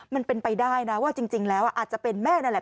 มันเป็นไปได้นะว่าจริงแล้วอาจจะเป็นแม่นั่นแหละ